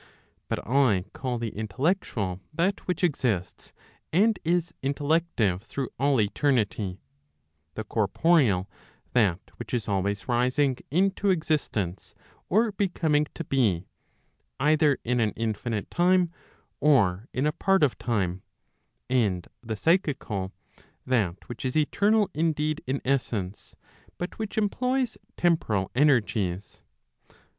But I call the intellectual that which exists and is intellective through all eternity; the corporeal, that which is always rising into existence, or becoming to be, either in an infinite time, or in a part of time; and the psychical, that which is eternal indeed in essence, but which employs temporal energies.